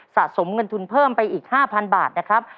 สะสมเงินทุนเพิ่มไปอีก๕๐๐บาทนะครับ